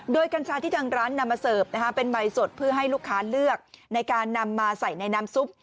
โดยกัญชาที่ทางร้านนำมาเสิร์ฟเป็นใบสดเพื่อให้ลูกค้าเลือกในการนำมาใส่ในน้ำซุป